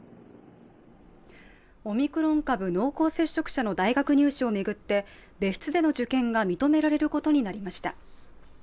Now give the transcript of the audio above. オミクロン株濃厚接触者の大学入試を巡って別室での受験が認められることになりました。